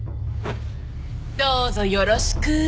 どうぞよろしく！